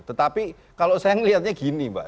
tetapi kalau saya melihatnya gini mbak